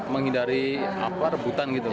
menghindari apa rebutan gitu